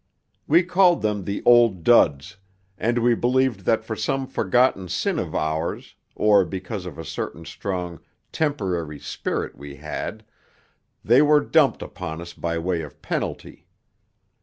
We called them the Old Duds, and we believed that for some forgotten sin of ours, or because of a certain strong 'Temporary' spirit we had, they were dumped upon us by way of penalty.